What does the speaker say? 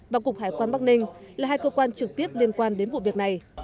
và cục hải quan bắc ninh là hai cơ quan trực tiếp liên quan đến vụ việc này